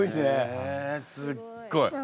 へえすっごい！